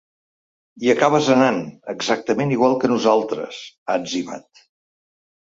Hi acabes anant, exactament igual que nosaltres, ha etzibat.